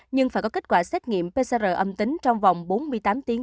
nhưng phải có kết quả xét nghiệm pcr âm tính trong vòng bốn mươi tám tiếng